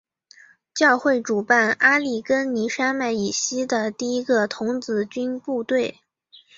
教会主办阿利根尼山脉以西的第一个童子军部队。